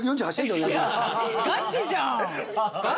ガチじゃん。